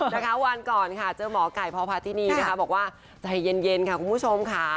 นะคะวันก่อนค่ะเจอหมอไก่พพาธินีนะคะบอกว่าใจเย็นค่ะคุณผู้ชมค่ะ